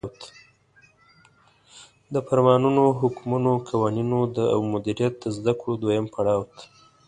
د فرمانونو، حکمونو، قوانینو او مدیریت د زدکړو دویم پړاو ته